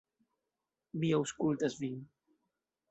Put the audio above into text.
Mi aŭskultas vin.